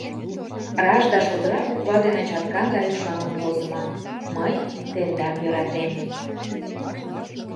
Раш да шолдыра буква дене чаткан да ӱшанлын возымо: «Мый Тендам йӧратем!»